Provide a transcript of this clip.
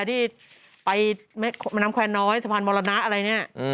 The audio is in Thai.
ที่ไปแม่น้ำแควร์น้อยสะพานมรณะอะไรเนี่ย